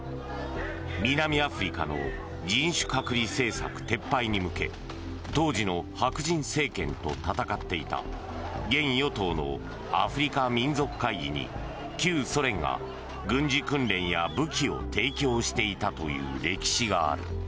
南アフリカの人種隔離政策撤廃に向け当時の白人政権と戦っていた現与党のアフリカ民族会議に旧ソ連が軍事訓練や武器を提供していたという歴史がある。